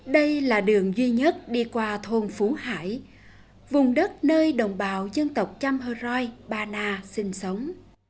đây là đường duy nhất đi qua thôn phú hải vùng đất nơi đồng bào dân tộc chăm hờ roi ba na sinh sống